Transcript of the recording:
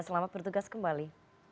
selamat bertugas kembali